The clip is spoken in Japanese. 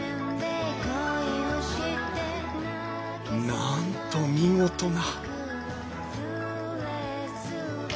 なんと見事な！